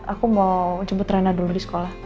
aku mau jemput rena dulu di sekolah